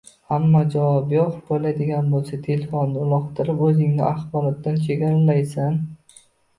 Ammo javob “yoʻq” boʻladigan boʻlsa, telefonni uloqtirib, oʻzingni axborotdan chegaralaysan.